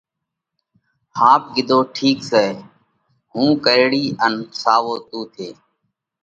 ۿاپ ڪِيڌو: ٺِيڪ سئہ، هُون ڪرڙِيه ان ساوو تُون ٿي۔